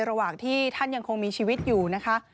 ระหว่างที่ท่านยังคงมีชีวิตอยู่นะคะ